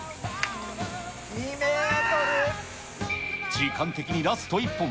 時間的にラスト１本。